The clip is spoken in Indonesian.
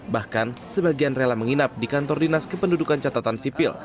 bahkan sebagian rela menginap di kantor dinas kependudukan catatan sipil